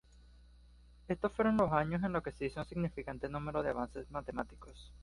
Estos fueron los años en los que hizo un significante número de avances matemáticos.